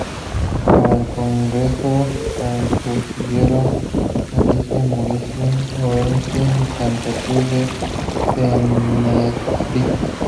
Para el Congreso concurrieron: Alicante, Murcia, Orense y Santa Cruz de Tenerife.